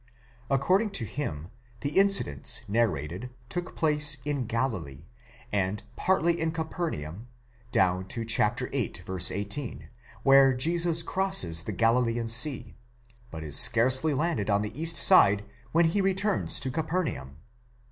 According to him the incidents narrated took place in Galilee, and partly in Capernaum down to viii. 18, where Jesus crosses the Galilean sea, but is scarcely landed on the east side when he returns to Capernaum.